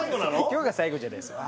今日が最後じゃないです